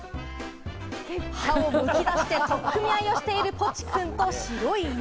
歯をむき出して、取っ組み合いをしているポチくんと白い犬。